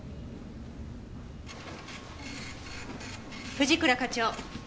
藤倉課長。